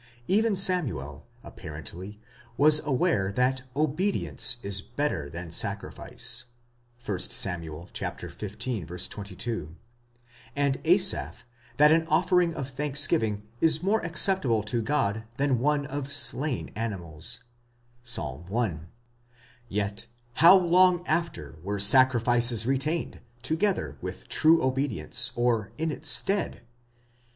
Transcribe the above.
Even Samuel, apparently, was aware that obedience is better than sacrifice (1 Sam. xv. 22), and Asaph, that an offering of thanksgiving is more accept able to God than one of slain animals (Ps. 1.); yet how long after were sacrifices retained together with true obedience, or in its stead!